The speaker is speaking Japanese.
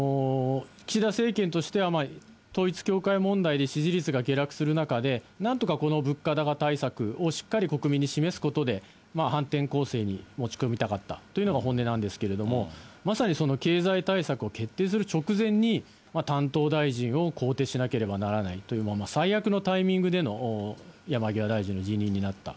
岸田政権としては、統一教会問題で支持率が下落する中で、なんとかこの物価高対策をしっかり国民に示すことで、反転攻勢に持ち込みたかったというのが本音なんですけれども、まさにその経済対策を決定する直前に、担当大臣を更迭しなければならないという、最悪のタイミングでの山際大臣の辞任になった。